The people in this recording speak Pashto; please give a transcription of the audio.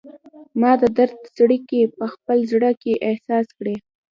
ما د درد څړیکې په خپل زړه کې احساس کړي